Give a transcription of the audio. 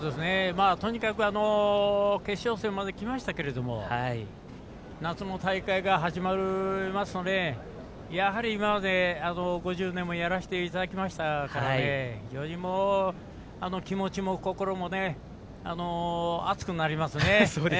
とにかく決勝戦まできましたけど夏の大会が始まりますのでやはり今まで５０年もやらせていただきましたからより気持ちも心も熱くなりますね。